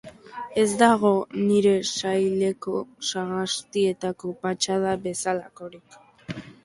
Ez dago nire saileko sagastietako patxada bezalakorik